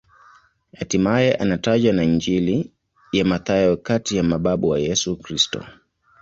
Hatimaye anatajwa na Injili ya Mathayo kati ya mababu wa Yesu Kristo.